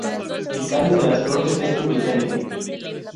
El cáliz de las flores es pubescente.